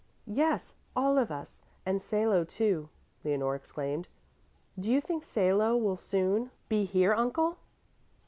"Yes, all of us, and Salo, too," Leonore exclaimed. "Do you think Salo will soon be here, Uncle?"